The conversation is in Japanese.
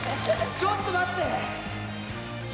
ちょっと待って。